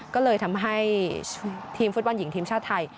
ก็เลยทำให้ทีมฟุตบอลหญิงทีมชาติไทย